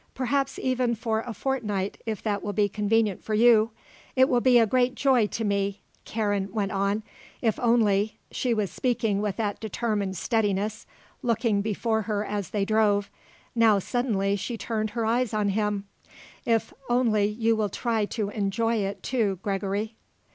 Perhaps, even, for a fortnight if that will be convenient for you. It will be a great joy to me," Karen went on, "if only" she was speaking with that determined steadiness, looking before her as they drove; now, suddenly, she turned her eyes on him "if only you will try to enjoy it, too, Gregory."